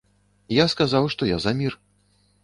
Я сказаў, што я за мір.